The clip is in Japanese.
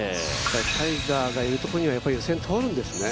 タイガーがいるとこにはやっぱり予選通るんですね。